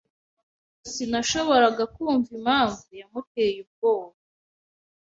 Sinashoboraga kumva impamvu yamuteye ubwoba.